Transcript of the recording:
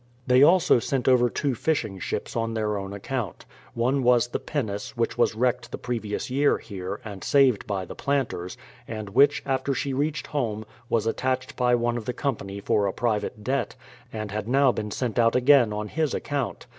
They also sent over tw^o fishing ships on their own ac count. One was the pinnace, which was w^recked the pre vious year here, and saved by the planters, and which, after she reached home, was attached by one of the com pany for a private debt, and had now been sent out again on his account.